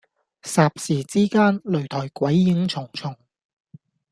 霎時之間，擂台鬼影重重